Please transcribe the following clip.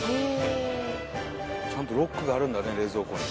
ちゃんとロックがあるんだね冷蔵庫に。